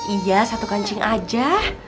iya satu kancing aja